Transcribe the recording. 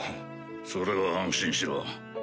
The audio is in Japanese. それは安心しろ。